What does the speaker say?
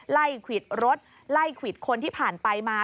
ควิดรถไล่ควิดคนที่ผ่านไปมา